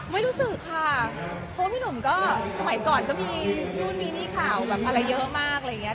ไม่รู้สึกค่ะเพราะว่าพี่หนุ่มก็สมัยก่อนก็มีนู่นมีนี่ข่าวแบบอะไรเยอะมากอะไรอย่างนี้